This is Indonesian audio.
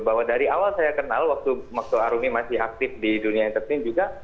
bahwa dari awal saya kenal waktu arumi masih aktif di dunia entertain juga